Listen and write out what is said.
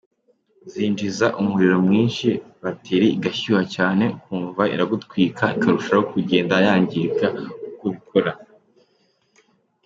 Zinjiza umuriro mwinshi, batiri igashyuha cyane ukumva iragutwika ikarushaho kugenda yangirika uko ubikora.